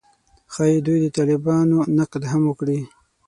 ښايي دوی د طالبانو نقد هم وکړي